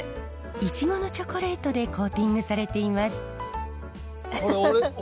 いちごのチョコレートでコーティングされています。